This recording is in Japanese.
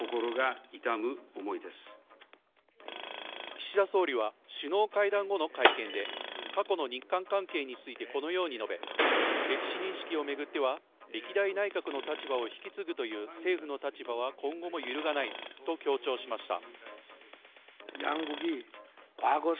岸田総理は首脳会談後の会見で過去の日韓関係についてこのように述べ歴史認識を巡っては歴代内閣の立場を引き継ぐという政府の立場は今後も揺るがないと強調しました。